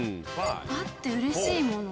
あってうれしいもの？